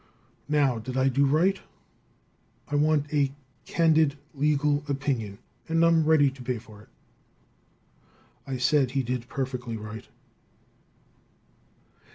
Now, did I do right? I want a candid, legal opinion, and I'm ready to pay for it." I said he did perfectly right.